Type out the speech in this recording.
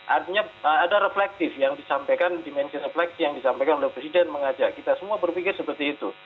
artinya ada reflektif yang disampaikan dimensi refleksi yang disampaikan oleh presiden mengajak kita semua berpikir seperti itu